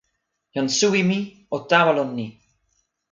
jan suwi mi o tawa lon ni.